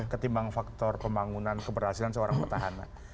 ketimbang faktor pembangunan keberhasilan seorang petahana